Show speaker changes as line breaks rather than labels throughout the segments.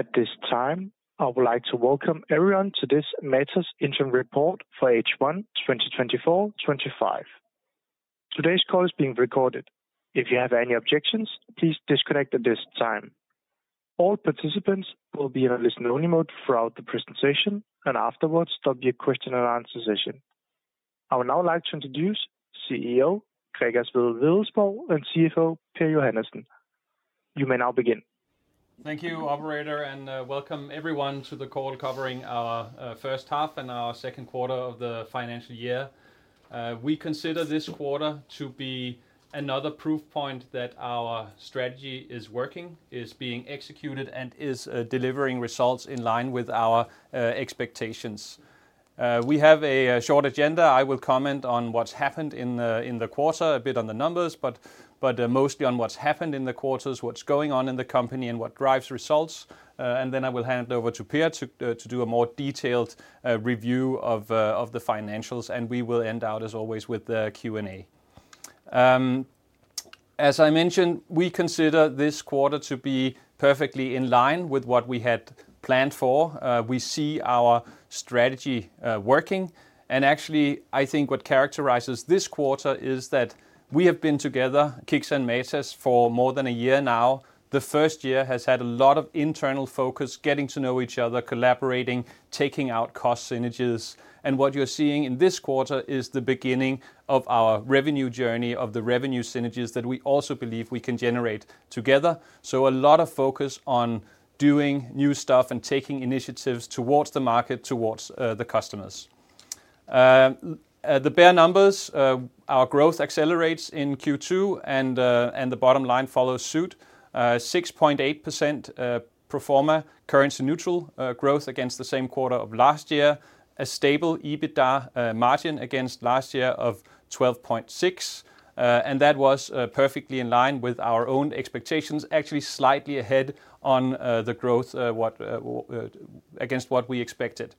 At this time, I would like to welcome everyone to this Matas earnings report for H1 2024-2025. Today's call is being recorded. If you have any objections, please disconnect at this time. All participants will be in a listen-only mode throughout the presentation, and afterwards, there will be a question-and-answer session. I would now like to introduce CEO Gregers Wedell-Wedellsborg and CFO Per Johannesen. You may now begin.
Thank you, Operator, and welcome everyone to the call covering our first half and our second quarter of the financial year. We consider this quarter to be another proof point that our strategy is working, is being executed, and is delivering results in line with our expectations. We have a short agenda. I will comment on what's happened in the quarter, a bit on the numbers, but mostly on what's happened in the quarters, what's going on in the company, and what drives results, and then I will hand it over to Per to do a more detailed review of the financials, and we will end out, as always, with the Q&A. As I mentioned, we consider this quarter to be perfectly in line with what we had planned for. We see our strategy working. Actually, I think what characterizes this quarter is that we have been together, KICKS and Matas, for more than a year now. The first year has had a lot of internal focus, getting to know each other, collaborating, taking out cost synergies. And what you're seeing in this quarter is the beginning of our revenue journey, of the revenue synergies that we also believe we can generate together. So a lot of focus on doing new stuff and taking initiatives towards the market, towards the customers. The bare numbers: our growth accelerates in Q2, and the bottom line follows suit: 6.8% pro forma, currency-neutral growth against the same quarter of last year, a stable EBITDA margin against last year of 12.6%. And that was perfectly in line with our own expectations, actually slightly ahead on the growth against what we expected.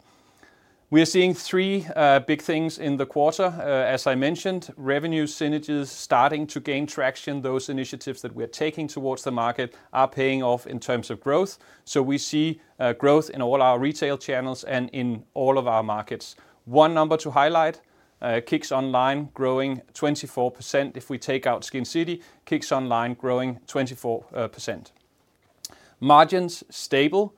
We are seeing three big things in the quarter. As I mentioned, revenue synergies starting to gain traction. Those initiatives that we are taking towards the market are paying off in terms of growth, so we see growth in all our retail channels and in all of our markets. One number to highlight: KICKS Online growing 24%. If we take out Skincity, KICKS Online growing 24%. Margins stable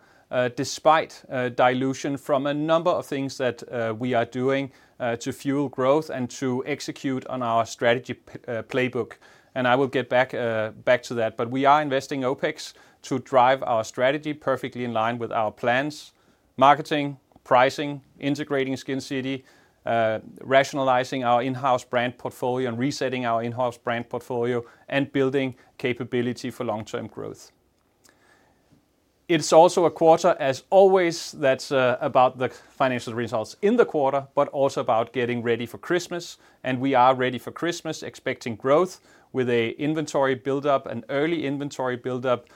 despite dilution from a number of things that we are doing to fuel growth and to execute on our strategy playbook, and I will get back to that, but we are investing OpEx to drive our strategy perfectly in line with our plans: marketing, pricing, integrating Skincity, rationalizing our in-house brand portfolio and resetting our in-house brand portfolio, and building capability for long-term growth. It's also a quarter, as always, that's about the financial results in the quarter, but also about getting ready for Christmas. We are ready for Christmas, expecting growth with an inventory build-up, an early inventory build-up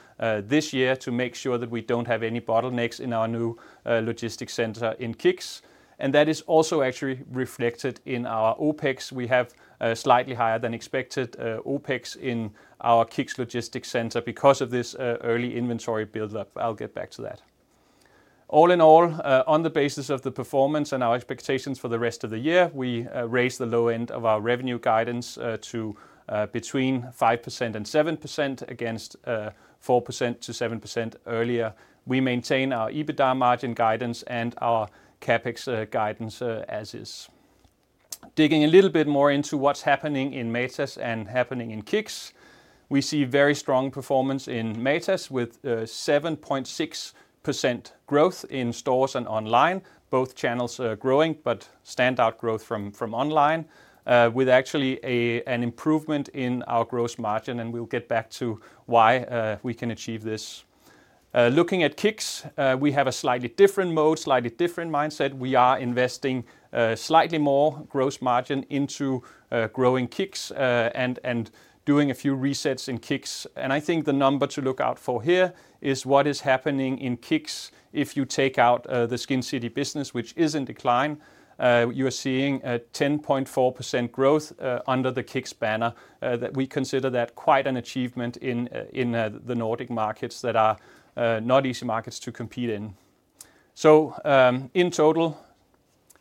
this year to make sure that we don't have any bottlenecks in our new logistics center in KICKS. And that is also actually reflected in our OpEx. We have slightly higher than expected OpEx in our KICKS logistics center because of this early inventory build-up. I'll get back to that. All in all, on the basis of the performance and our expectations for the rest of the year, we raised the low end of our revenue guidance to between 5% and 7% against 4%-7% earlier. We maintain our EBITDA margin guidance and our CapEx guidance as is. Digging a little bit more into what's happening in Matas and happening in Kicks, we see very strong performance in Matas with 7.6% growth in stores and online, both channels growing, but standout growth from online, with actually an improvement in our gross margin. And we'll get back to why we can achieve this. Looking at Kicks, we have a slightly different mode, slightly different mindset. We are investing slightly more gross margin into growing Kicks and doing a few resets in Kicks. And I think the number to look out for here is what is happening in Kicks. If you take out the Skincity business, which is in decline, you are seeing a 10.4% growth under the KICKS banner. We consider that quite an achievement in the Nordic markets that are not easy markets to compete in. So in total,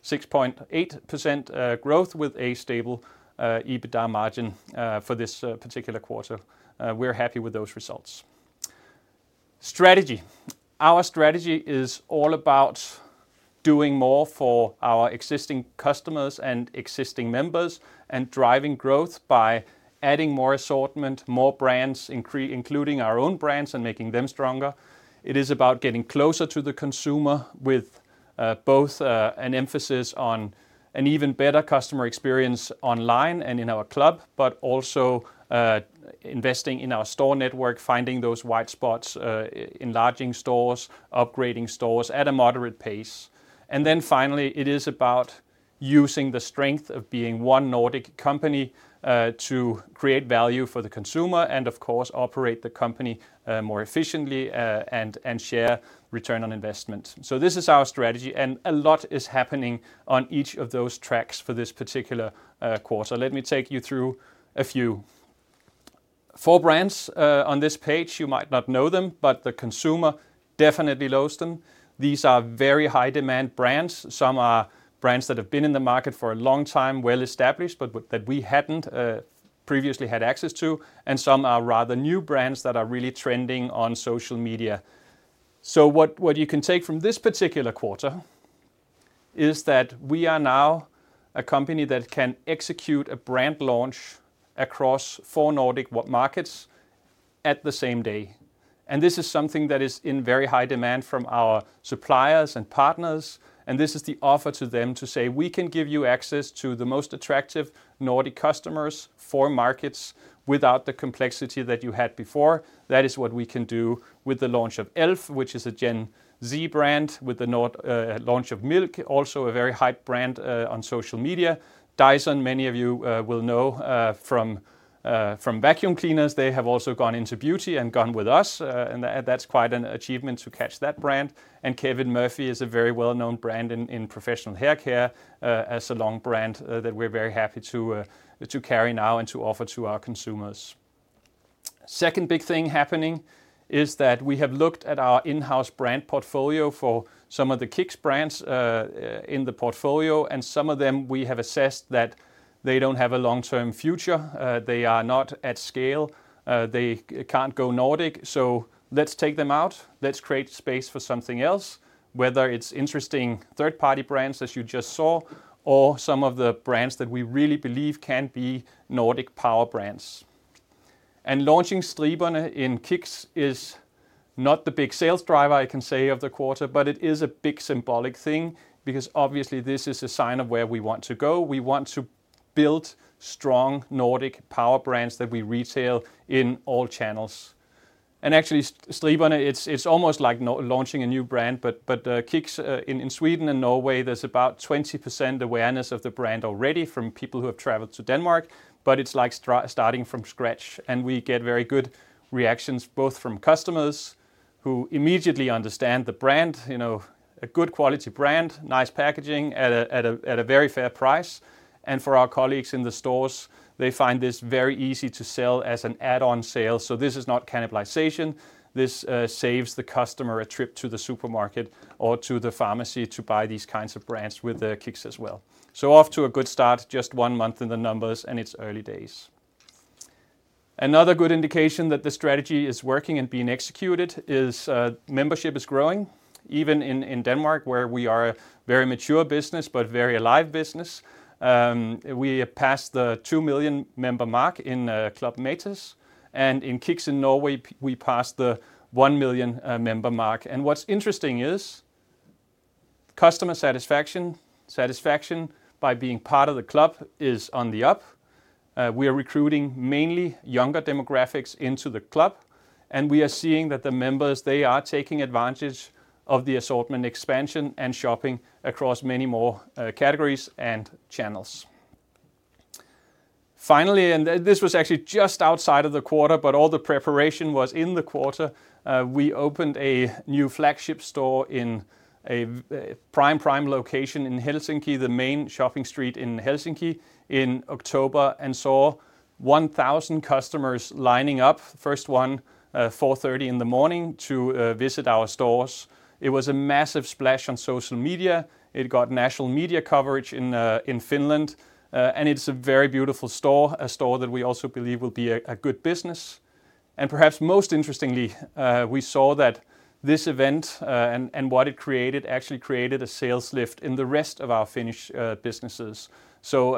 6.8% growth with a stable EBITDA margin for this particular quarter. We're happy with those results. Strategy: our strategy is all about doing more for our existing customers and existing members and driving growth by adding more assortment, more brands, including our own brands and making them stronger. It is about getting closer to the consumer with both an emphasis on an even better customer experience online and in our club, but also investing in our store network, finding those white spots, enlarging stores, upgrading stores at a moderate pace. And then finally, it is about using the strength of being one Nordic company to create value for the consumer and, of course, operate the company more efficiently and share return on investment. So this is our strategy. And a lot is happening on each of those tracks for this particular quarter. Let me take you through a few. Four brands on this page. You might not know them, but the consumer definitely knows them. These are very high-demand brands. Some are brands that have been in the market for a long time, well established, but that we hadn't previously had access to, and some are rather new brands that are really trending on social media. So what you can take from this particular quarter is that we are now a company that can execute a brand launch across four Nordic markets at the same day, and this is something that is in very high demand from our suppliers and partners. This is the offer to them to say, "We can give you access to the most attractive Nordic customers for markets without the complexity that you had before." That is what we can do with the launch of e.l.f., which is a Gen Z brand, with the launch of Milk, also a very hype brand on social media. Dyson, many of you will know from vacuum cleaners. They have also gone into beauty and gone with us. That's quite an achievement to catch that brand. Kevin Murphy is a very well-known brand in professional hair care as a long brand that we're very happy to carry now and to offer to our consumers. Second big thing happening is that we have looked at our in-house brand portfolio for some of the KICKS brands in the portfolio. And some of them, we have assessed that they don't have a long-term future. They are not at scale. They can't go Nordic. So let's take them out. Let's create space for something else, whether it's interesting third-party brands, as you just saw, or some of the brands that we really believe can be Nordic power brands. And launching Striberne in KICKS is not the big sales driver, I can say, of the quarter, but it is a big symbolic thing because obviously this is a sign of where we want to go. We want to build strong Nordic power brands that we retail in all channels. And actually, Striberne, it's almost like launching a new brand. But KICKS in Sweden and Norway, there's about 20% awareness of the brand already from people who have traveled to Denmark. But it's like starting from scratch. We get very good reactions both from customers who immediately understand the brand, a good quality brand, nice packaging at a very fair price. For our colleagues in the stores, they find this very easy to sell as an add-on sale. This is not cannibalization. This saves the customer a trip to the supermarket or to the pharmacy to buy these kinds of brands with KICKS as well. Off to a good start, just one month in the numbers and it's early days. Another good indication that the strategy is working and being executed is membership is growing. Even in Denmark, where we are a very mature business but very alive business, we passed the two million member mark in Club Matas. In KICKS in Norway, we passed the one million member mark. What's interesting is customer satisfaction by being part of the club is on the up. We are recruiting mainly younger demographics into the club. We are seeing that the members, they are taking advantage of the assortment expansion and shopping across many more categories and channels. Finally, and this was actually just outside of the quarter, but all the preparation was in the quarter. We opened a new flagship store in a prime prime location in Helsinki, the main shopping street in Helsinki in October and saw 1,000 customers lining up, first one 4:30 A.M. in the morning to visit our stores. It was a massive splash on social media. It got national media coverage in Finland. It's a very beautiful store, a store that we also believe will be a good business. And perhaps most interestingly, we saw that this event and what it created actually created a sales lift in the rest of our Finnish businesses. So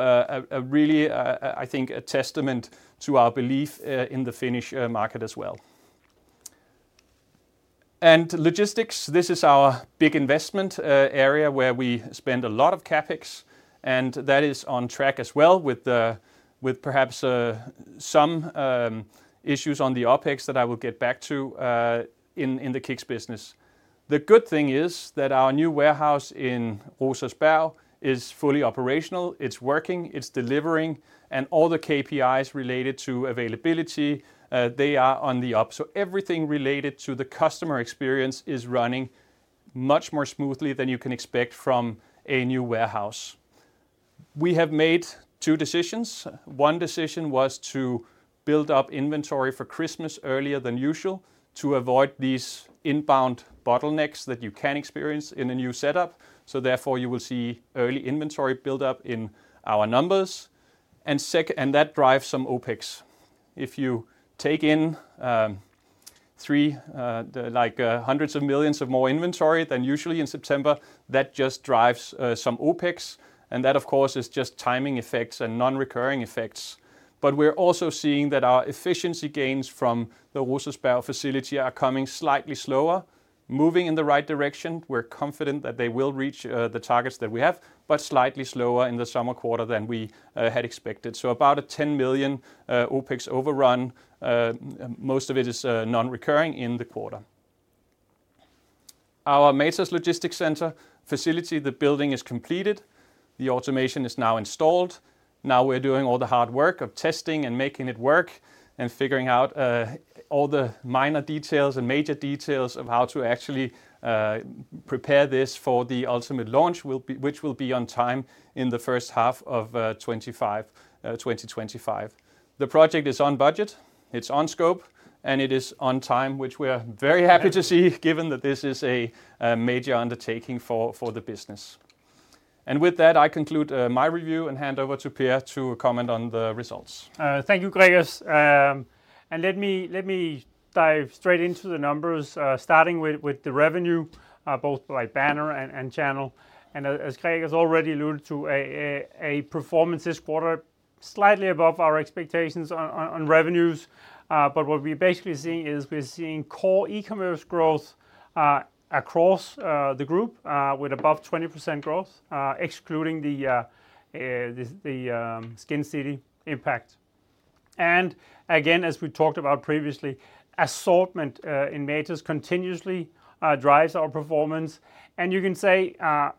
really, I think a testament to our belief in the Finnish market as well. And logistics, this is our big investment area where we spend a lot of CapEx. And that is on track as well with perhaps some issues on the OpEx that I will get back to in the KICKS business. The good thing is that our new warehouse in Rosersberg is fully operational. It's working. It's delivering. And all the KPIs related to availability, they are on the up. So everything related to the customer experience is running much more smoothly than you can expect from a new warehouse. We have made two decisions. One decision was to build up inventory for Christmas earlier than usual to avoid these inbound bottlenecks that you can experience in a new setup. So therefore, you will see early inventory build-up in our numbers. That drives some OpEx. If you take in hundreds of millions of DKK more inventory than usually in September, that just drives some OpEx. That, of course, is just timing effects and non-recurring effects. We're also seeing that our efficiency gains from the Rosersberg facility are coming slightly slower, moving in the right direction. We're confident that they will reach the targets that we have, but slightly slower in the summer quarter than we had expected. So about a 10 million OpEx overrun. Most of it is non-recurring in the quarter. Our Matas logistics center facility, the building is completed. The automation is now installed. Now we're doing all the hard work of testing and making it work and figuring out all the minor details and major details of how to actually prepare this for the ultimate launch, which will be on time in the first half of 2025. The project is on budget. It's on scope. And it is on time, which we are very happy to see given that this is a major undertaking for the business. And with that, I conclude my review and hand over to Per to comment on the results.
Thank you, Gregers. And let me dive straight into the numbers, starting with the revenue, both by banner and channel. And as Gregers already alluded to, a performance this quarter slightly above our expectations on revenues. But what we're basically seeing is we're seeing core e-commerce growth across the group with above 20% growth, excluding the Skincity impact. And again, as we talked about previously, assortment in Matas continuously drives our performance. And you can say a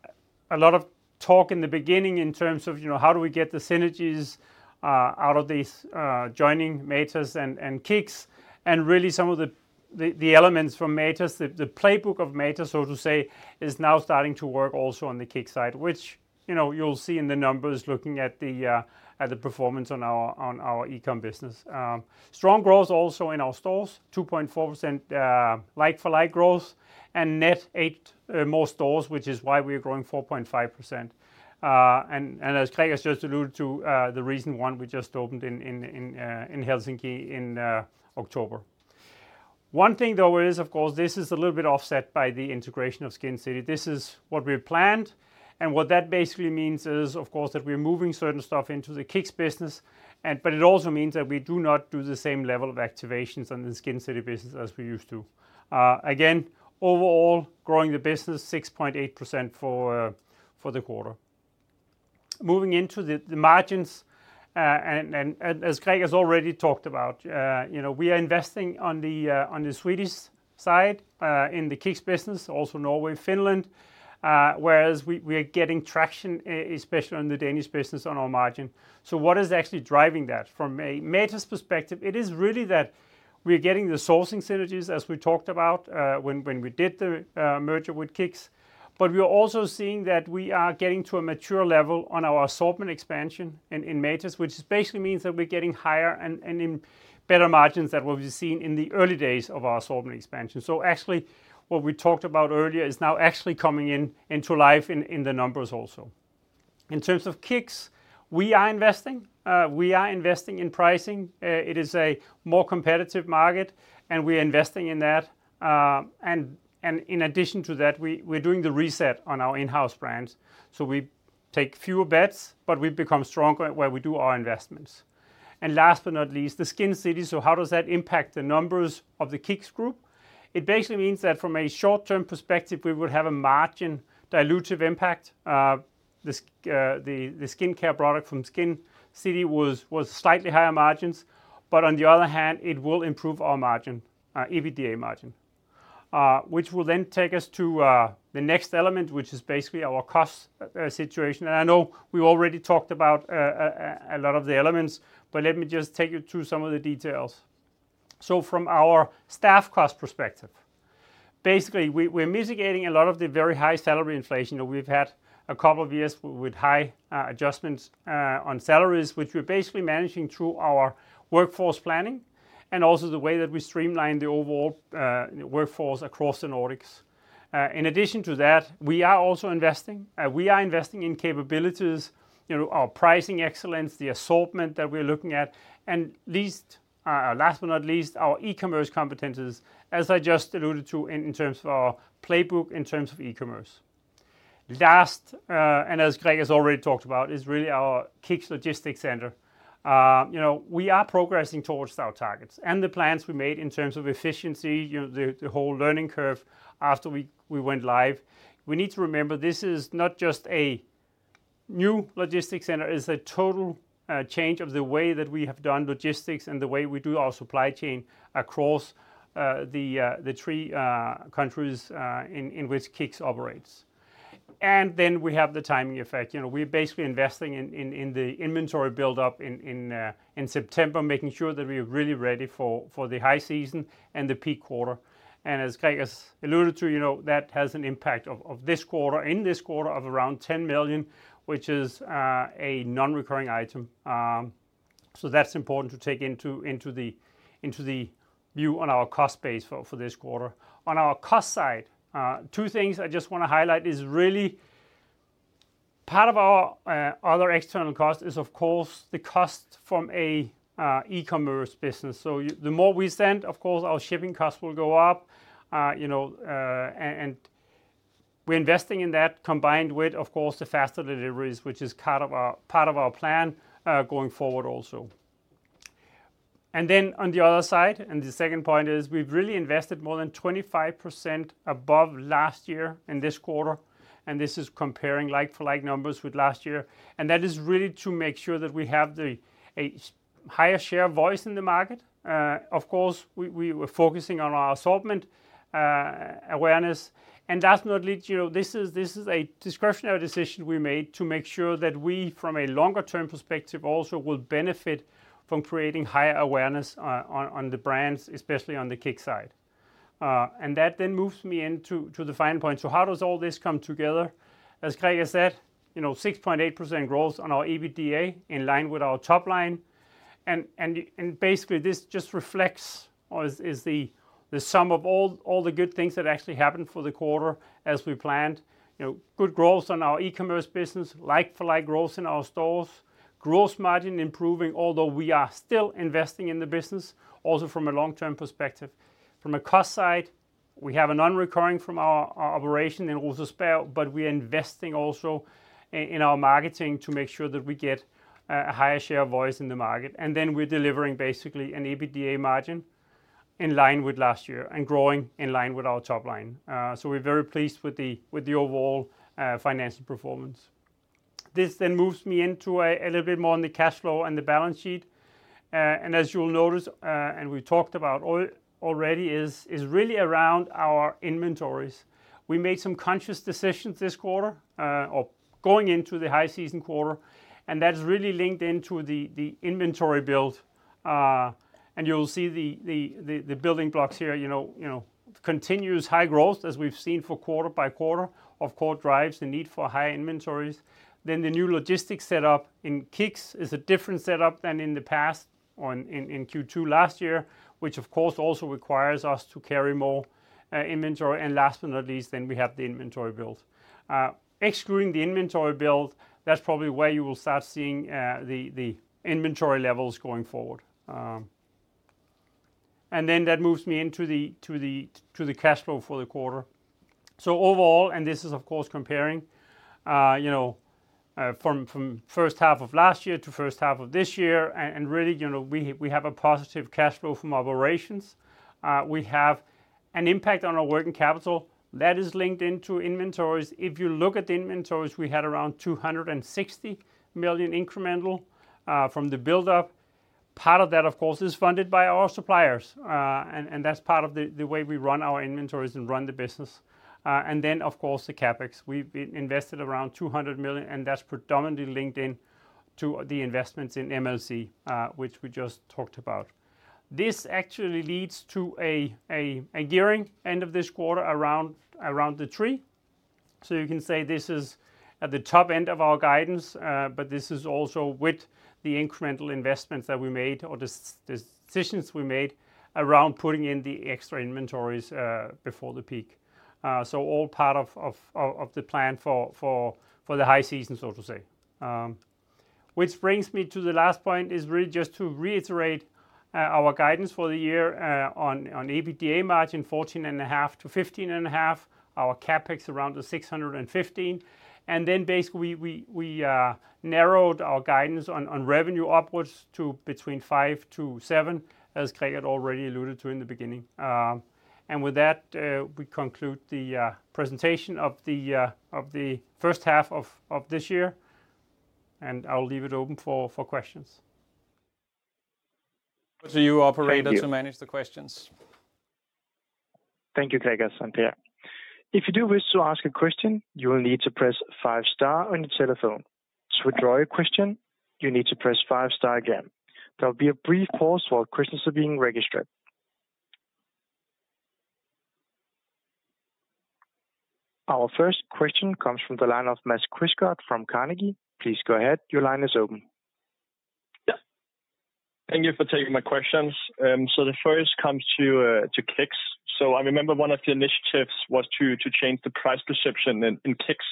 lot of talk in the beginning in terms of how do we get the synergies out of this joining Matas and KICKS. And really some of the elements from Matas, the playbook of Matas, so to say, is now starting to work also on the KICKS side, which you'll see in the numbers looking at the performance on our e-com business. Strong growth also in our stores, 2.4% like-for-like growth, and net eight more stores, which is why we are growing 4.5%. And as Gregers just alluded to, the reason one we just opened in Helsinki in October. One thing, though, is, of course, this is a little bit offset by the integration of Skincity. This is what we've planned. And what that basically means is, of course, that we're moving certain stuff into the KICKS business. But it also means that we do not do the same level of activations on the Skincity business as we used to. Again, overall, growing the business 6.8% for the quarter. Moving into the margins, and as Gregers already talked about, we are investing on the Swedish side in the KICKS business, also Norway, Finland, whereas we are getting traction, especially on the Danish business, on our margin. So what is actually driving that from a Matas perspective? It is really that we are getting the sourcing synergies, as we talked about when we did the merger with KICKS. But we are also seeing that we are getting to a mature level on our assortment expansion in Matas, which basically means that we're getting higher and better margins than what we've seen in the early days of our assortment expansion. So actually, what we talked about earlier is now actually coming into life in the numbers also. In terms of KICKS, we are investing. We are investing in pricing. It is a more competitive market. And we are investing in that. And in addition to that, we're doing the reset on our in-house brands. So we take fewer bets, but we become stronger where we do our investments. And last but not least, the Skincity. So how does that impact the numbers of the KICKS group? It basically means that from a short-term perspective, we would have a margin dilutive impact. The skincare product from Skincity was slightly higher margins. But on the other hand, it will improve our margin, EBITDA margin, which will then take us to the next element, which is basically our cost situation. And I know we already talked about a lot of the elements, but let me just take you through some of the details. So from our staff cost perspective, basically, we're mitigating a lot of the very high salary inflation that we've had a couple of years with high adjustments on salaries, which we're basically managing through our workforce planning and also the way that we streamline the overall workforce across the Nordics. In addition to that, we are also investing. We are investing in capabilities, our pricing excellence, the assortment that we're looking at, and last but not least, our e-commerce competencies, as I just alluded to in terms of our playbook in terms of e-commerce. Last, and as Gregers already talked about, is really our KICKS logistics center. We are progressing towards our targets. The plans we made in terms of efficiency, the whole learning curve after we went live, we need to remember this is not just a new logistics center. It's a total change of the way that we have done logistics and the way we do our supply chain across the three countries in which KICKS operates. Then we have the timing effect. We're basically investing in the inventory build-up in September, making sure that we are really ready for the high season and the peak quarter. And as Gregers alluded to, that has an impact of this quarter in this quarter of around 10 million, which is a non-recurring item. So that's important to take into the view on our cost base for this quarter. On our cost side, two things I just want to highlight is really part of our other external cost is, of course, the cost from an e-commerce business. So the more we send, of course, our shipping costs will go up. And we're investing in that combined with, of course, the faster deliveries, which is part of our plan going forward also. And then on the other side, and the second point is we've really invested more than 25% above last year in this quarter. And this is comparing like-for-like numbers with last year. That is really to make sure that we have a higher share of voice in the market. Of course, we were focusing on our assortment awareness. Last but not least, this is a discretionary decision we made to make sure that we, from a longer-term perspective, also will benefit from creating higher awareness on the brands, especially on the KICKS side. That then moves me into the final point. How does all this come together? As Gregers said, 6.8% growth on our EBITDA in line with our top line. Basically, this just reflects or is the sum of all the good things that actually happened for the quarter as we planned. Good growth on our e-commerce business, like-for-like growth in our stores, gross margin improving, although we are still investing in the business also from a long-term perspective. From a cost side, we have a non-recurring from our operation in Rosersberg, but we are investing also in our marketing to make sure that we get a higher share of voice in the market. And then we're delivering basically an EBITDA margin in line with last year and growing in line with our top line. So we're very pleased with the overall financial performance. This then moves me into a little bit more on the cash flow and the balance sheet. And as you'll notice, and we talked about already, is really around our inventories. We made some conscious decisions this quarter or going into the high season quarter. And that's really linked into the inventory build. And you'll see the building blocks here, continuous high growth as we've seen for quarter by quarter, of course, drives the need for high inventories. Then the new logistics setup in KICKS is a different setup than in the past or in Q2 last year, which, of course, also requires us to carry more inventory. And last but not least, then we have the inventory build. Excluding the inventory build, that's probably where you will start seeing the inventory levels going forward. And then that moves me into the cash flow for the quarter. So overall, and this is, of course, comparing from first half of last year to first half of this year. And really, we have a positive cash flow from operations. We have an impact on our working capital. That is linked into inventories. If you look at the inventories, we had around 260 million incremental from the build-up. Part of that, of course, is funded by our suppliers. That's part of the way we run our inventories and run the business. And then, of course, the CapEx. We've invested around 200 million, and that's predominantly linked in to the investments in MLC, which we just talked about. This actually leads to a gearing end of this quarter around 3. So you can say this is at the top end of our guidance, but this is also with the incremental investments that we made or the decisions we made around putting in the extra inventories before the peak. So all part of the plan for the high season, so to say. Which brings me to the last point is really just to reiterate our guidance for the year on EBITDA margin, 14.5%-15.5%. Our CapEx around 615. Then basically, we narrowed our guidance on revenue upwards to between five to seven, as Gregers already alluded to in the beginning. And with that, we conclude the presentation of the first half of this year. And I'll leave it open for questions.
Over to you, Operator, to manage the questions.
Thank you, Gregers and Per. If you do wish to ask a question, you will need to press five star on your telephone. To withdraw your question, you need to press five star again. There will be a brief pause while questions are being registered. Our first question comes from the line of Mads Krigsgård from Carnegie. Please go ahead. Your line is open.
Yeah. Thank you for taking my questions. So the first comes to Kicks. So I remember one of the initiatives was to change the price perception in Kicks.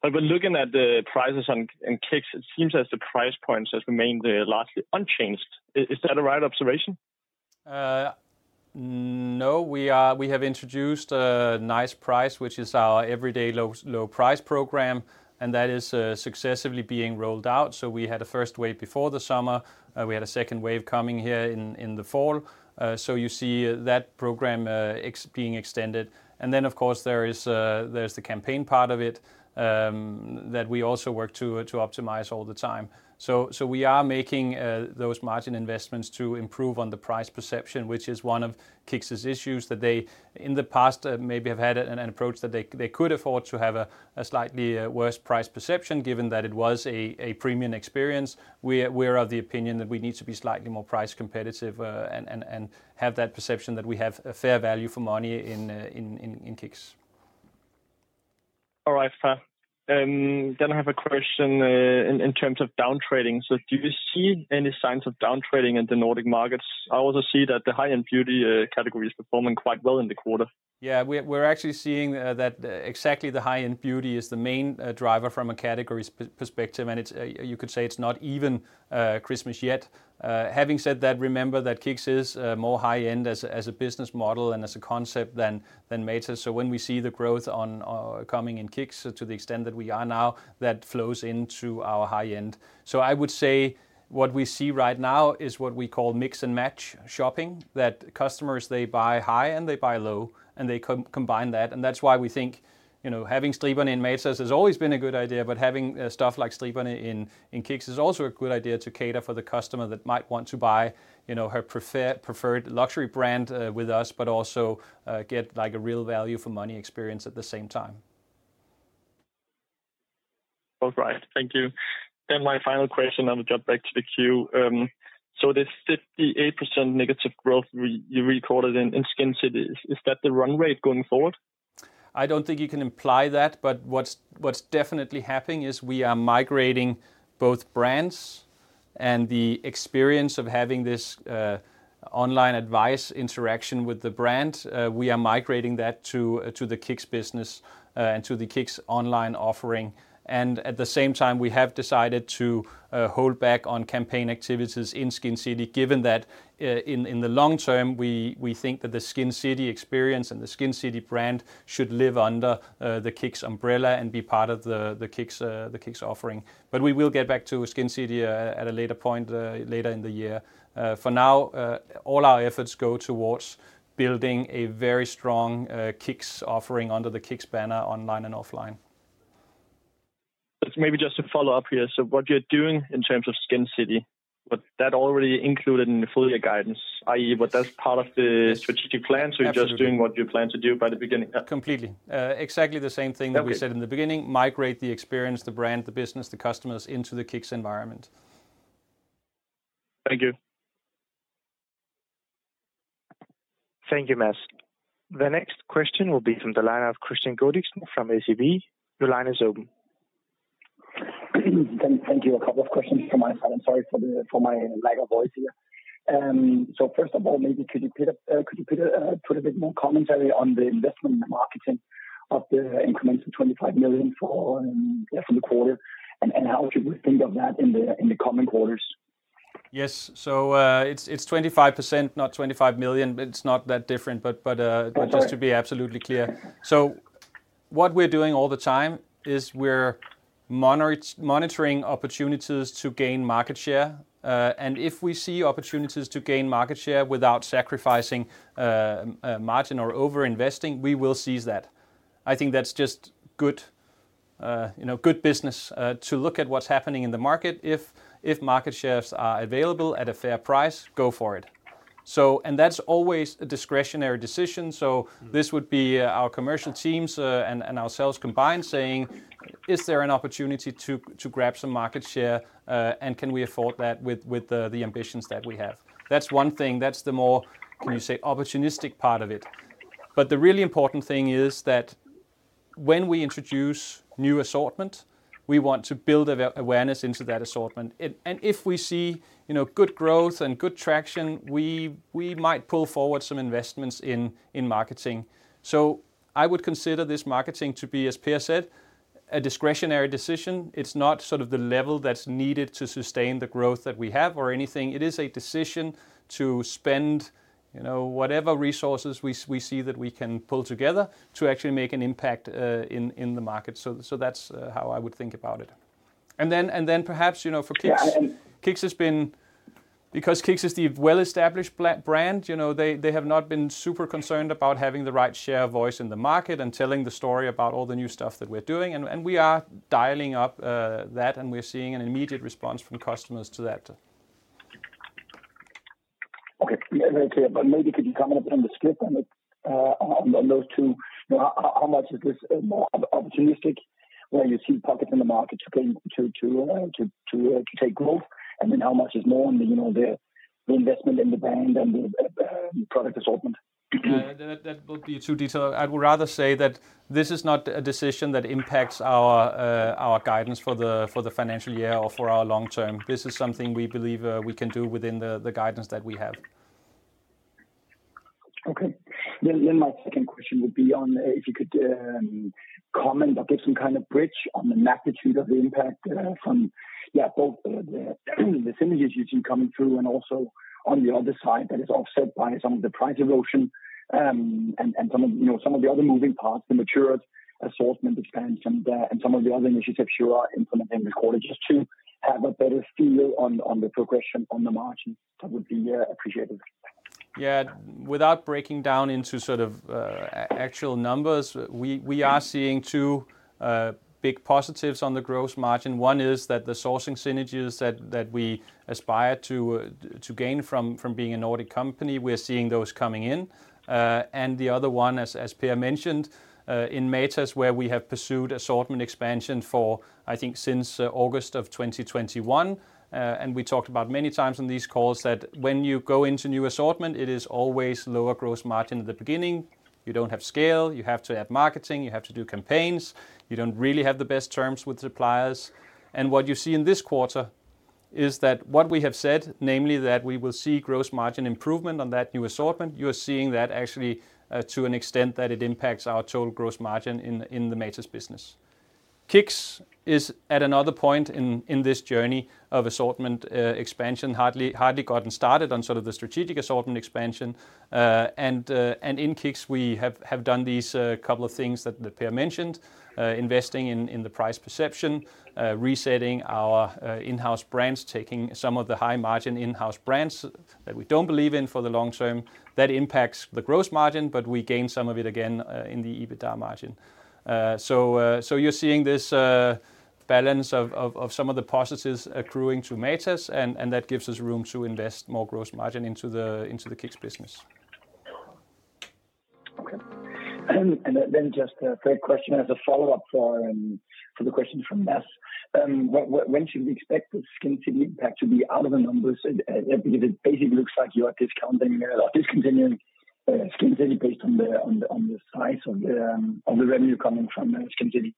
But we're looking at the prices in KICKS. It seems as the price points have remained largely unchanged. Is that a right observation?
No. We have introduced a Nice Price, which is our everyday low price program. And that is successively being rolled out. So we had a first wave before the summer. We had a second wave coming here in the fall. So you see that program being extended. And then, of course, there is the campaign part of it that we also work to optimize all the time. So we are making those margin investments to improve on the price perception, which is one of KICKS' issues that they in the past maybe have had an approach that they could afford to have a slightly worse price perception given that it was a premium experience. We are of the opinion that we need to be slightly more price competitive and have that perception that we have a fair value for money in KICKS.
All right, that. Then I have a question in terms of downtrading. So do you see any signs of downtrading in the Nordic markets? I also see that the high-end beauty category is performing quite well in the quarter.
Yeah. We're actually seeing that exactly the high-end beauty is the main driver from a category perspective. And you could say it's not even Christmas yet. Having said that, remember that KICKS is more high-end as a business model and as a concept than Matas. So when we see the growth coming in KICKS to the extent that we are now, that flows into our high-end. So, I would say what we see right now is what we call mix and match shopping, that customers, they buy high and they buy low, and they combine that, and that's why we think having Striberne in Matas has always been a good idea. But having stuff like Striberne in KICKS is also a good idea to cater for the customer that might want to buy her preferred luxury brand with us, but also get a real value for money experience at the same time.
All right. Thank you. Then my final question, I'll jump back to the queue, so this 58% negative growth you recorded in Skincity, is that the run rate going forward?
I don't think you can imply that. But what's definitely happening is we are migrating both brands and the experience of having this online advice interaction with the brand. We are migrating that to the KICKS business and to the KICKS online offering, and at the same time, we have decided to hold back on campaign activities in Skincity, given that in the long term, we think that the Skincity experience and the Skincity brand should live under the KICKS umbrella and be part of the KICKS offering, but we will get back to Skincity at a later point later in the year. For now, all our efforts go towards building a very strong KICKS offering under the KICKS banner online and offline.
Maybe just to follow up here, so what you're doing in terms of Skincity, that already included in the full year guidance, i.e., what that's part of the strategic plan, so you're just doing what you plan to do by the beginning. Completely.
Exactly the same thing that we said in the beginning, migrate the experience, the brand, the business, the customers into the KICKS environment.
Thank you.
Thank you, Mads. The next question will be from the line of Christian Godsk from SEB. Your line is open.
Thank you. A couple of questions from my side. I'm sorry for my lack of voice here. So first of all, maybe could you put a bit more commentary on the investment in marketing of the incremental 25 million for the quarter and how you would think of that in the coming quarters?
Yes. So it's 25%, not 25 million. It's not that different, but just to be absolutely clear. So what we're doing all the time is we're monitoring opportunities to gain market share. And if we see opportunities to gain market share without sacrificing margin or over-investing, we will seize that. I think that's just good business to look at what's happening in the market. If market shares are available at a fair price, go for it, and that's always a discretionary decision. This would be our commercial teams and ourselves combined saying, is there an opportunity to grab some market share and can we afford that with the ambitions that we have? That's one thing. That's the more, can you say, opportunistic part of it. The really important thing is that when we introduce new assortment, we want to build awareness into that assortment. If we see good growth and good traction, we might pull forward some investments in marketing. I would consider this marketing to be, as Per said, a discretionary decision. It's not sort of the level that's needed to sustain the growth that we have or anything. It is a decision to spend whatever resources we see that we can pull together to actually make an impact in the market, so that's how I would think about it. And then perhaps for KICKS, KICKS has been, because KICKS is the well-established brand, they have not been super concerned about having the right share of voice in the market and telling the story about all the new stuff that we're doing. And we are dialing up that, and we're seeing an immediate response from customers to that.
Okay. Very clear. But maybe could you comment a bit on the split on those two? How much is this more opportunistic where you see pockets in the market to take growth? And then how much is more on the investment in the brand and the product assortment?
That will be too detailed. I would rather say that this is not a decision that impacts our guidance for the financial year or for our long term. This is something we believe we can do within the guidance that we have.
Okay. Then my second question would be on if you could comment or give some kind of bridge on the magnitude of the impact from, yeah, both the synergies you've seen coming through and also on the other side that is offset by some of the price erosion and some of the other moving parts, the matured assortment expense and some of the other initiatives you are implementing this quarter just to have a better feel on the progression on the margin. That would be appreciated.
Yeah. Without breaking down into sort of actual numbers, we are seeing two big positives on the gross margin. One is that the sourcing synergies that we aspire to gain from being a Nordic company, we're seeing those coming in. And the other one, as Per mentioned, in Matas, where we have pursued assortment expansion for, I think, since August of 2021. And we talked about many times on these calls that when you go into new assortment, it is always lower gross margin at the beginning. You don't have scale. You have to add marketing. You have to do campaigns. You don't really have the best terms with suppliers. And what you see in this quarter is that what we have said, namely that we will see gross margin improvement on that new assortment, you're seeing that actually to an extent that it impacts our total gross margin in the Matas business. KICKS is at another point in this journey of assortment expansion, hardly gotten started on sort of the strategic assortment expansion, and in KICKS, we have done these couple of things that Per mentioned, investing in the price perception, resetting our in-house brands, taking some of the high-margin in-house brands that we don't believe in for the long term. That impacts the gross margin, but we gain some of it again in the EBITDA margin, so you're seeing this balance of some of the positives accruing to Matas, and that gives us room to invest more gross margin into the KICKS business.
Okay. And then just a third question as a follow-up for the question from Mads. When should we expect the Skincity impact to be out of the numbers? Because it basically looks like you are discounting or discontinuing Skincity based on the size of the revenue coming from Skincity.
Yeah.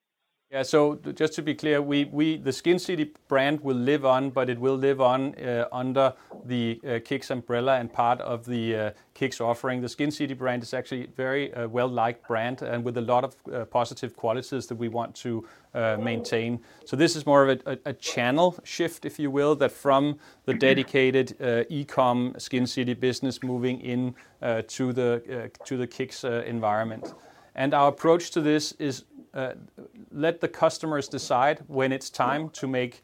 So just to be clear, the Skincity brand will live on, but it will live on under the KICKS umbrella and part of the KICKS offering. The Skincity brand is actually a very well-liked brand and with a lot of positive qualities that we want to maintain. So this is more of a channel shift, if you will, that from the dedicated e-comm Skincity business moving into the KICKS environment. And our approach to this is let the customers decide when it's time to make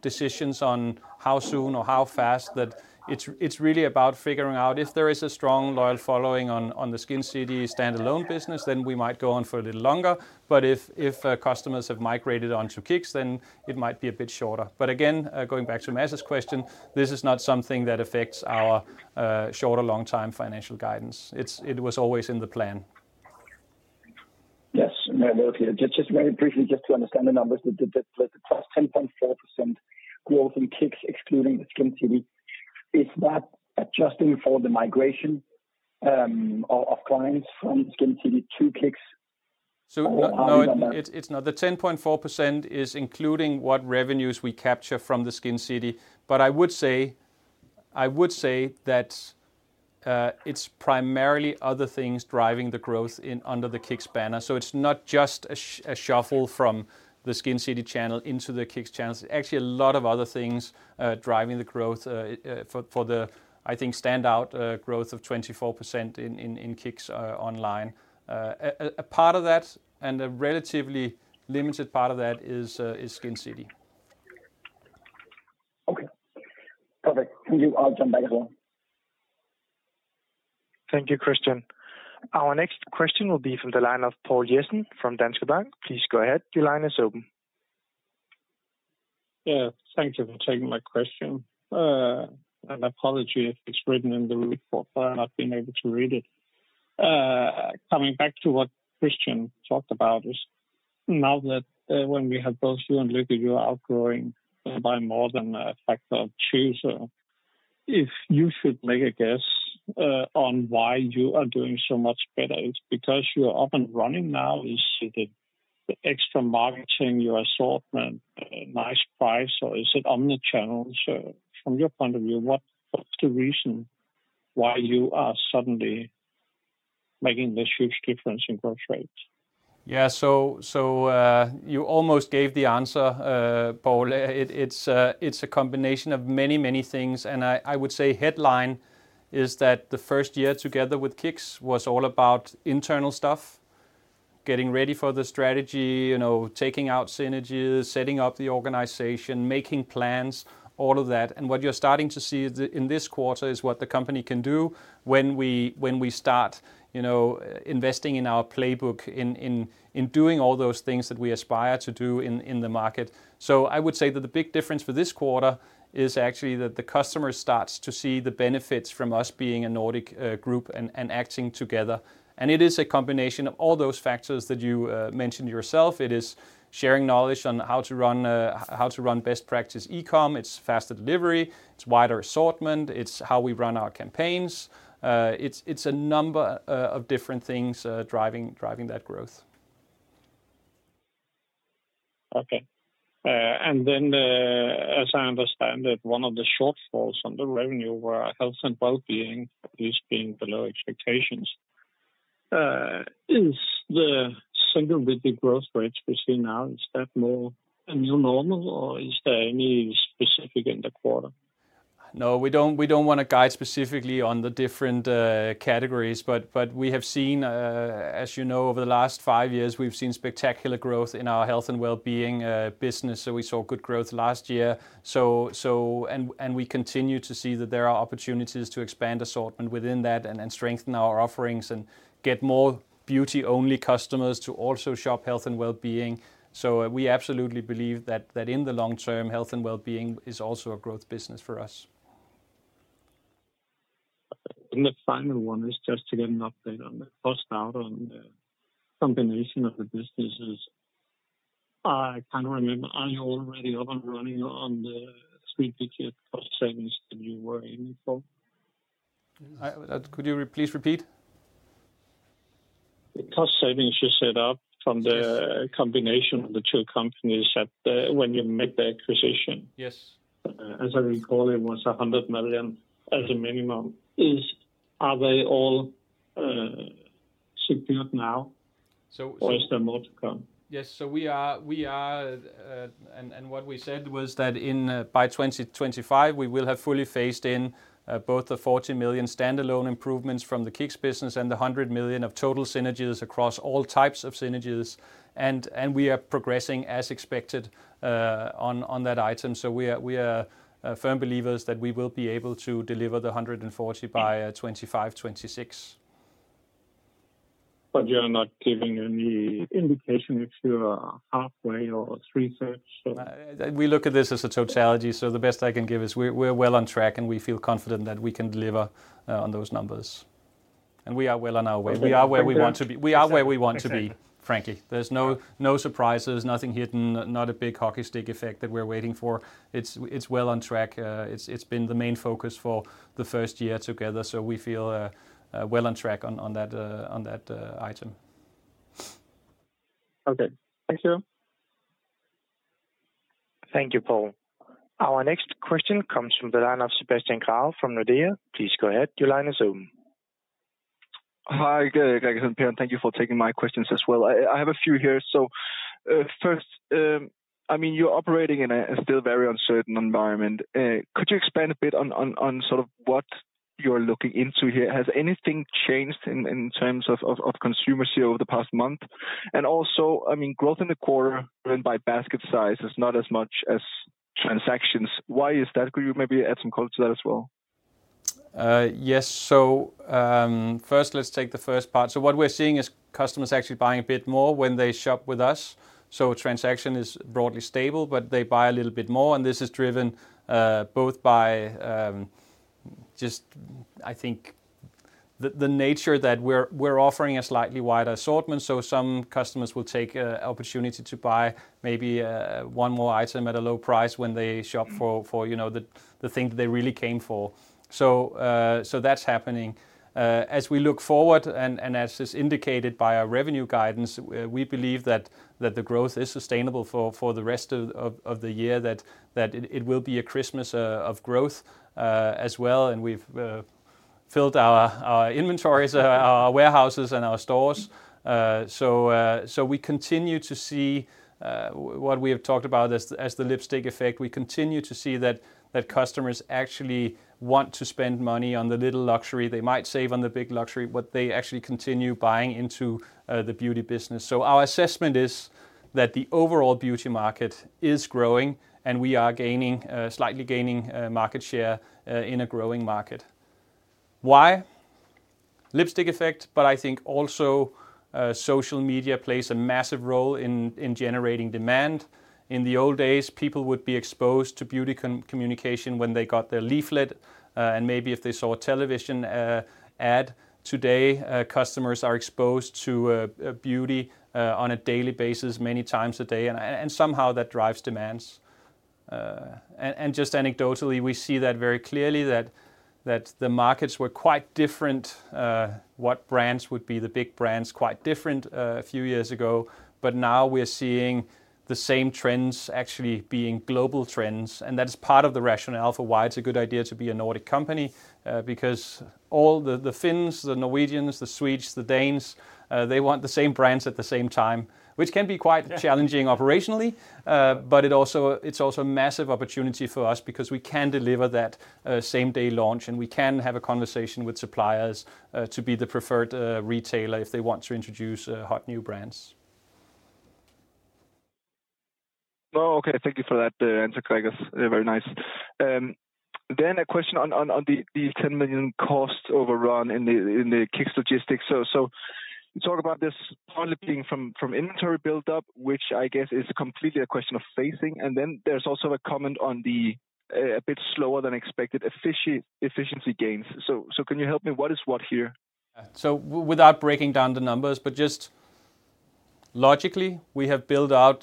decisions on how soon or how fast. That it's really about figuring out if there is a strong loyal following on the Skincity standalone business, then we might go on for a little longer. But if customers have migrated onto KICKS, then it might be a bit shorter. But again, going back to Mads's question, this is not something that affects our short or long-time financial guidance. It was always in the plan.
Yes. Just very briefly, just to understand the numbers, the 10.4% growth in KICKS excluding Skincity, is that adjusting for the migration of clients from Skincity to KICKS?
So no, it's not. The 10.4% is including what revenues we capture from Skincity. But I would say that it's primarily other things driving the growth under the KICKS banner. So it's not just a shuffle from the Skincity channel into the KICKS channel. It's actually a lot of other things driving the growth for the, I think, standout growth of 24% in KICKS online. A part of that, and a relatively limited part of that, is Skincity.
Okay. Perfect. Thank you. I'll jump back as well.
Thank you, Christian. Our next question will be from the line of Poul Jessen from Danske Bank. Please go ahead. Your line is open.
Yeah. Thank you for taking my question. And I apologize if it's written in the report for Q4, not being able to read it. Coming back to what Christian talked about is now that when we have both you and Luca, you are outgrowing by more than a factor of two. So if you should make a guess on why you are doing so much better, it's because you're up and running now? Is it the extra marketing, your assortment, Nice Price, or is it omnichannel? From your point of view, what's the reason why you are suddenly making this huge difference in growth rates?
Yeah, so you almost gave the answer, Poul. It's a combination of many, many things, and I would say the headline is that the first year together with KICKS was all about internal stuff, getting ready for the strategy, taking out synergies, setting up the organization, making plans, all of that. What you're starting to see in this quarter is what the company can do when we start investing in our playbook, in doing all those things that we aspire to do in the market. I would say that the big difference for this quarter is actually that the customer starts to see the benefits from us being a Nordic group and acting together. It is a combination of all those factors that you mentioned yourself. It is sharing knowledge on how to run best practice e-comm. It's faster delivery. It's wider assortment. It's how we run our campaigns. It's a number of different things driving that growth.
Okay, and then as I understand it, one of the shortfalls on the revenue were health and well-being, at least being below expectations. Is the single-digit growth rates we see now, is that more a new normal, or is there any specific in the quarter?
No, we don't want to guide specifically on the different categories, but we have seen, as you know, over the last five years, we've seen spectacular growth in our health and well-being business. So we saw good growth last year, and we continue to see that there are opportunities to expand assortment within that and strengthen our offerings and get more beauty-only customers to also shop health and well-being. We absolutely believe that in the long term, health and well-being is also a growth business for us.
And the final one is just to get an update on the cost out on the combination of the businesses. I can't remember. Are you already up and running on the synergy cost savings that you were aiming for?
Could you please repeat?
The cost savings you set up from the combination of the two companies when you make the acquisition?
Yes.
As I recall, it was 100 million as a minimum. Are they all secured now? Or is there more to come?
Yes. So we are, and what we said was that by 2025, we will have fully phased in both the 40 million standalone improvements from the KICKS business and the 100 million of total synergies across all types of synergies. We are progressing as expected on that item. We are firm believers that we will be able to deliver the 140 by 2025, 2026.
You're not giving any indication if you're halfway or three-quarters?
We look at this as a totality. The best I can give is we're well on track, and we feel confident that we can deliver on those numbers. We are well on our way. We are where we want to be. We are where we want to be, frankly. There's no surprises, nothing hidden, not a big hockey stick effect that we're waiting for. It's well on track. It's been the main focus for the first year together. We feel well on track on that item.
Okay. Thank you.
Thank you, Poul. Our next question comes from the line of Sebastian Carl from Nordea. Please go ahead.
Your line is open. Hi, Gregers, Per. Thank you for taking my questions as well. I have a few here. So first, I mean, you're operating in a still very uncertain environment. Could you expand a bit on sort of what you're looking into here? Has anything changed in terms of consumers here over the past month? And also, I mean, growth in the quarter driven by basket size is not as much as transactions. Why is that? Could you maybe add some comments to that as well?
Yes. So first, let's take the first part. So what we're seeing is customers actually buying a bit more when they shop with us. So transaction is broadly stable, but they buy a little bit more. And this is driven both by just, I think, the nature that we're offering a slightly wider assortment. So some customers will take an opportunity to buy maybe one more item at a low price when they shop for the thing that they really came for. So that's happening. As we look forward, and as is indicated by our revenue guidance, we believe that the growth is sustainable for the rest of the year, that it will be a Christmas of growth as well. And we've filled our inventories, our warehouses, and our stores. So we continue to see what we have talked about as the lipstick effect. We continue to see that customers actually want to spend money on the little luxury. They might save on the big luxury, but they actually continue buying into the beauty business. So our assessment is that the overall beauty market is growing, and we are slightly gaining market share in a growing market. Why? Lipstick effect, but I think also social media plays a massive role in generating demand. In the old days, people would be exposed to beauty communication when they got their leaflet, and maybe if they saw a television ad. Today, customers are exposed to beauty on a daily basis, many times a day. And somehow that drives demands. And just anecdotally, we see that very clearly that the markets were quite different, what brands would be the big brands, quite different a few years ago. But now we're seeing the same trends actually being global trends. And that is part of the rationale for why it's a good idea to be a Nordic company, because all the Finns, the Norwegians, the Swedes, the Danes, they want the same brands at the same time, which can be quite challenging operationally. But it's also a massive opportunity for us because we can deliver that same-day launch, and we can have a conversation with suppliers to be the preferred retailer if they want to introduce hot new brands.
Well, okay. Thank you for that answer, Gregers. Very nice. Then a question on the 10 million cost overrun in the KICKS logistics. So you talk about this partly being from inventory buildup, which I guess is completely a question of phasing. And then there's also a comment on the a bit slower than expected efficiency gains. So can you help me? What is what here?
So without breaking down the numbers, but just logically, we have built out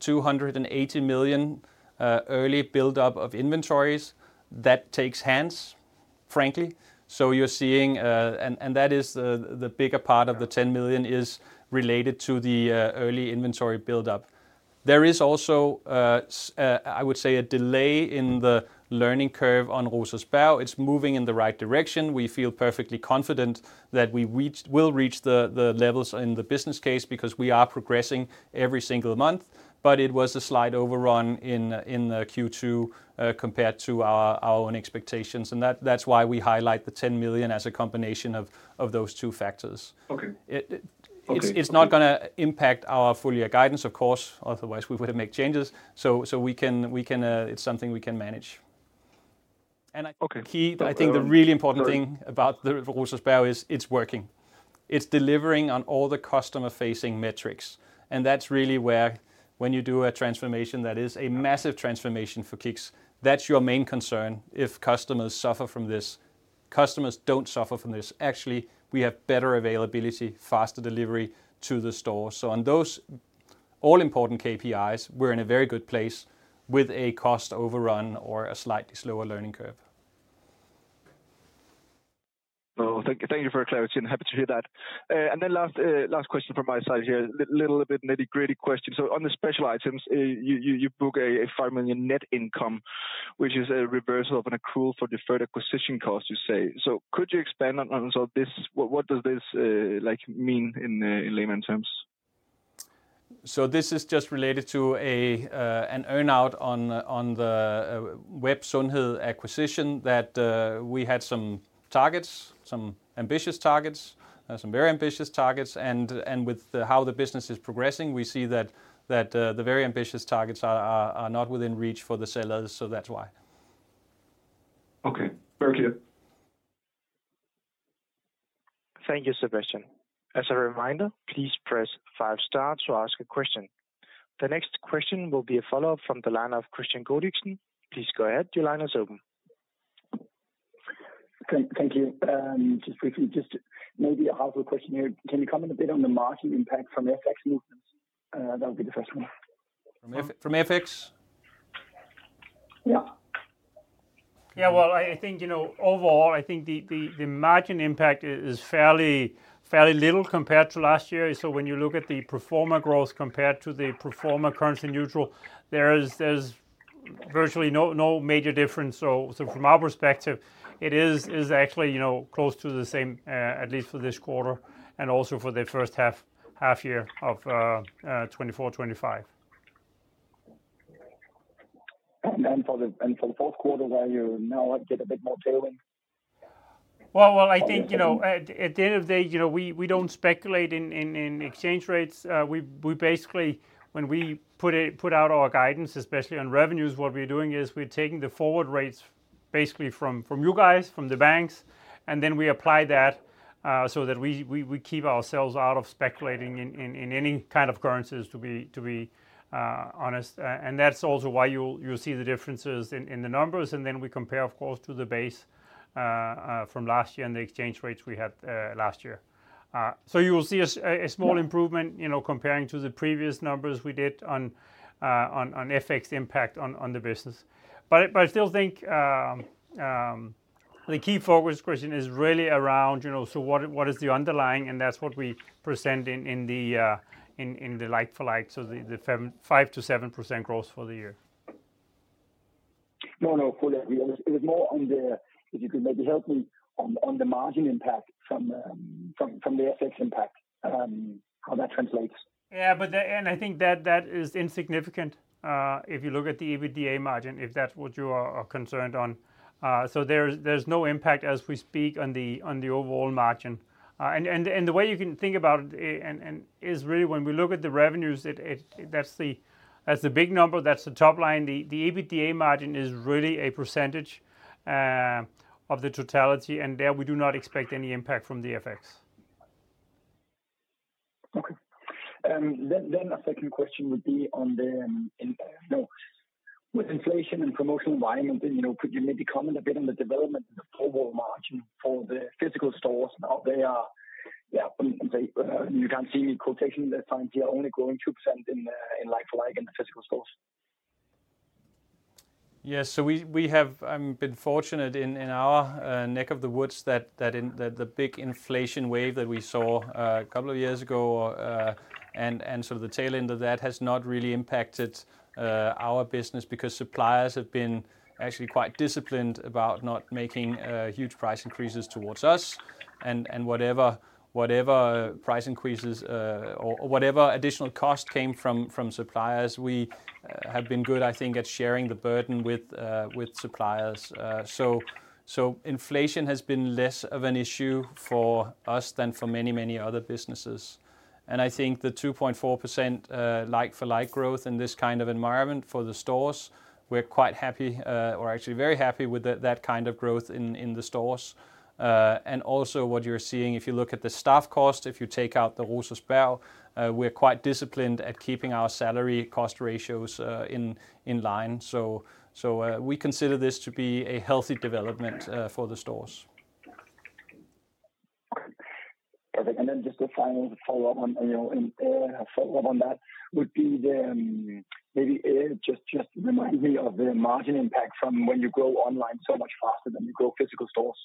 280 million early buildup of inventories. That takes hands, frankly. So you're seeing, and that is the bigger part of the 10 million is related to the early inventory buildup. There is also, I would say, a delay in the learning curve on Rosersberg. It's moving in the right direction. We feel perfectly confident that we will reach the levels in the business case because we are progressing every single month. But it was a slight overrun in Q2 compared to our own expectations. And that's why we highlight the 10 million as a combination of those two factors. It's not going to impact our full year guidance, of course. Otherwise, we would have made changes. So it's something we can manage. And I think the really important thing about the Rosersberg is it's working. It's delivering on all the customer-facing metrics. And that's really where when you do a transformation that is a massive transformation for KICKS, that's your main concern. If customers suffer from this, customers don't suffer from this. Actually, we have better availability, faster delivery to the store, so on those all-important KPIs, we're in a very good place with a cost overrun or a slightly slower learning curve.
Thank you for clarifying. Happy to hear that, and then last question from my side here. A little bit nitty-gritty question. So on the special items, you book a 5 million net income, which is a reversal of an accrual for deferred acquisition cost, you say. So could you expand on what does this mean in layman's terms?
So this is just related to an earn-out on the Websundhed acquisition that we had some targets, some ambitious targets, some very ambitious targets. And with how the business is progressing, we see that the very ambitious targets are not within reach for the sellers. So that's why.
Okay. Thank you.
Thank you, Sebastian. As a reminder, please press five stars to ask a question. The next question will be a follow-up from the line of Christian Godsk. Please go ahead. Your line is open.
Thank you. Just briefly, just maybe a hardcore question here. Can you comment a bit on the margin impact from FX movements? That would be the first one.
From FX?
Yeah.
Yeah. Well, I think overall, I think the margin impact is fairly little compared to last year. So when you look at the LFL growth compared to the LFL currency neutral, there's virtually no major difference. So from our perspective, it is actually close to the same, at least for this quarter and also for the first half year of 2024, 2025.
And then for the fourth quarter, where you now get a bit more tailwind?
I think at the end of the day, we don't speculate in exchange rates. When we put out our guidance, especially on revenues, what we're doing is we're taking the forward rates basically from you guys, from the banks, and then we apply that so that we keep ourselves out of speculating in any kind of currencies, to be honest. And that's also why you'll see the differences in the numbers. And then we compare, of course, to the base from last year and the exchange rates we had last year. So you will see a small improvement comparing to the previous numbers we did on FX impact on the business. But I still think the key focus question is really around, so what is the underlying? And that's what we present in the like-for-like, so the 5%-7% growth for the year.
No, no. It was more on the, if you could maybe help me, on the margin impact from the FX impact, how that translates.
Yeah. And I think that is insignificant if you look at the EBITDA margin, if that's what you are concerned on. So there's no impact as we speak on the overall margin. And the way you can think about it is really when we look at the revenues, that's the big number. That's the top line. The EBITDA margin is really a percentage of the totality. And there we do not expect any impact from the FX.
Okay. Then a second question would be on the inflation and promotional environment. Could you maybe comment a bit on the development of the forward margin for the physical stores? Yeah. You can't see me quoting the times here. Only growing 2% in like-for-like in the physical stores.
Yes. So we have been fortunate in our neck of the woods that the big inflation wave that we saw a couple of years ago and sort of the tail end of that has not really impacted our business because suppliers have been actually quite disciplined about not making huge price increases towards us. And whatever price increases or whatever additional cost came from suppliers, we have been good, I think, at sharing the burden with suppliers. So inflation has been less of an issue for us than for many, many other businesses. And I think the 2.4% like-for-like growth in this kind of environment for the stores; we're quite happy or actually very happy with that kind of growth in the stores. And also what you're seeing, if you look at the staff cost, if you take out the Rosersberg, we're quite disciplined at keeping our salary cost ratios in line. So we consider this to be a healthy development for the stores.
Perfect. And then just a final follow-up on that would be maybe just remind me of the margin impact from when you grow online so much faster than you grow physical stores.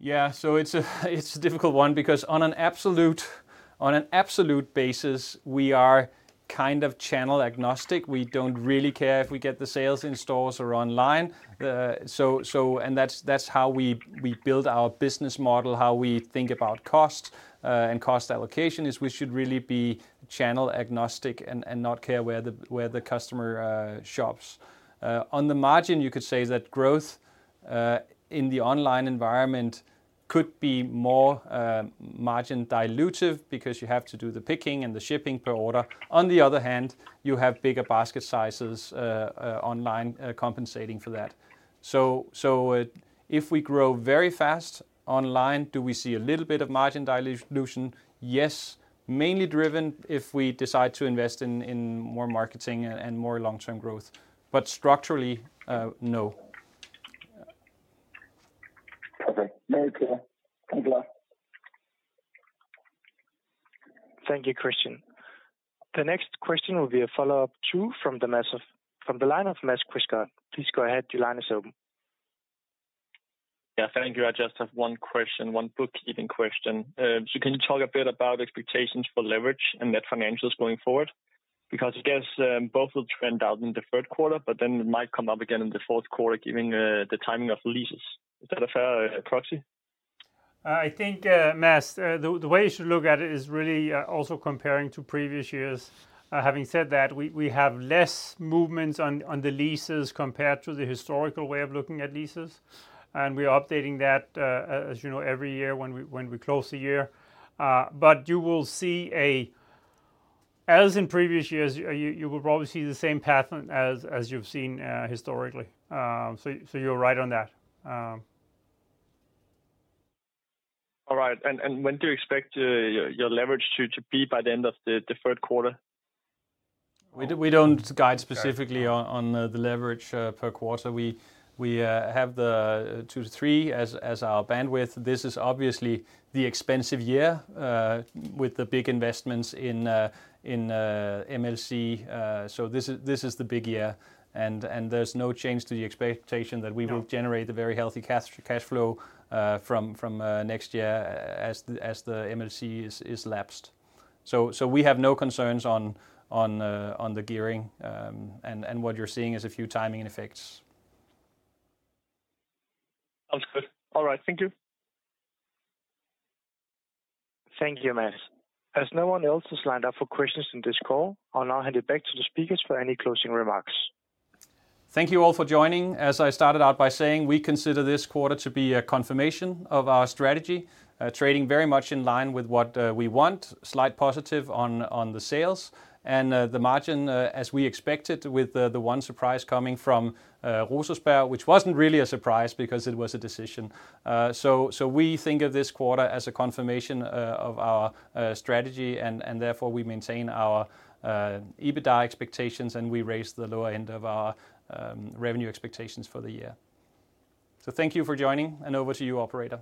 Yeah. So it's a difficult one because on an absolute basis, we are kind of channel agnostic. We don't really care if we get the sales in stores or online. And that's how we build our business model, how we think about cost and cost allocation is we should really be channel agnostic and not care where the customer shops. On the margin, you could say that growth in the online environment could be more margin dilutive because you have to do the picking and the shipping per order. On the other hand, you have bigger basket sizes online compensating for that. So if we grow very fast online, do we see a little bit of margin dilution? Yes, mainly driven if we decide to invest in more marketing and more long-term growth. But structurally, no.
Okay. Very clear. Thank you.
Thank you, Christian. The next question will be a follow-up too from the line of Mads Krigsgård. Please go ahead. Your line is open.
Yeah. Thank you. I just have one question, one bookkeeping question. So can you talk a bit about expectations for leverage and net financials going forward? Because I guess both will trend out in the third quarter, but then it might come up again in the fourth quarter given the timing of leases. Is that a fair proxy?
I think, Mads, the way you should look at it is really also comparing to previous years. Having said that, we have less movements on the leases compared to the historical way of looking at leases. And we're updating that every year when we close the year. But you will see, as in previous years, you will probably see the same pattern as you've seen historically. So you're right on that.
All right. And when do you expect your leverage to be by the end of the third quarter?
We don't guide specifically on the leverage per quarter. We have the two to three as our bandwidth. This is obviously the expensive year with the big investments in MLC. So this is the big year. And there's no change to the expectation that we will generate a very healthy cash flow from next year as the MLC is lapsed. So we have no concerns on the gearing. And what you're seeing is a few timing effects.
Sounds good. All right. Thank you.
Thank you, Mads. As no one else has lined up for questions in this call, I'll now hand it back to the speakers for any closing remarks.
Thank you all for joining. As I started out by saying, we consider this quarter to be a confirmation of our strategy, trading very much in line with what we want, slight positive on the sales. And the margin, as we expected, with the one surprise coming from Rosersberg, which wasn't really a surprise because it was a decision. So we think of this quarter as a confirmation of our strategy. And therefore, we maintain our EBITDA expectations, and we raised the lower end of our revenue expectations for the year. So thank you for joining, and over to you, Operator.